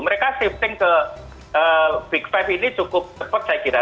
mereka shifting ke big five ini cukup cepat saya kira